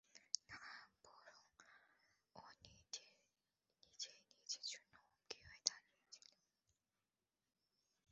না, বরং ও নিজেই নিজের জন্য হুমকি হয়ে দাড়িয়েছিল।